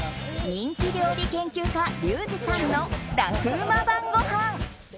人気料理研究家リュウジさんの楽ウマ晩ごはん。